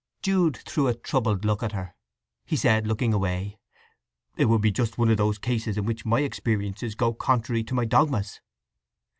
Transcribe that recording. Jude threw a troubled look at her. He said, looking away: "It would be just one of those cases in which my experiences go contrary to my dogmas.